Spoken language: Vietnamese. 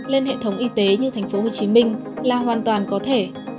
lên hệ thống y tế như tp hcm là hoàn toàn có thể